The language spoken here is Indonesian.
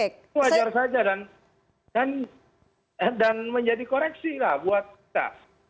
itu wajar saja dan menjadi koreksi lah buat kita